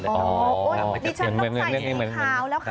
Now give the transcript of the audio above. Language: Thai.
อ๋อนี่ฉันต้องใส่สีขาวแล้วค่ะ